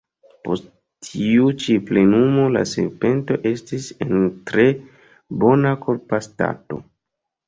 Post tiu ĉi plenumo la serpento estis en tre bona korpa stato.